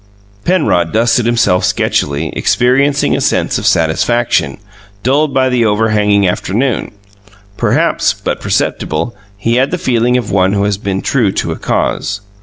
Penrod dusted himself sketchily, experiencing a sense of satisfaction, dulled by the overhanging afternoon, perhaps, but perceptible: he had the feeling of one who has been true to a cause.